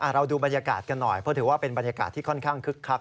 ดูบรรยากาศกันหน่อยเพราะถือว่าเป็นบรรยากาศที่ค่อนข้างคึกคัก